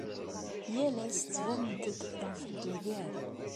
Yal ass ttbanent-d ḍeɛfent ugar.